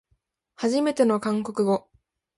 はじめての韓国語